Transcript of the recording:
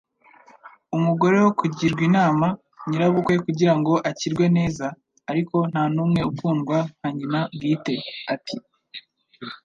Umugore wo kugirwa inama, nyirabukwe kugira ngo akirwe neza, ariko nta n'umwe ukundwa nka nyina bwite!" ati.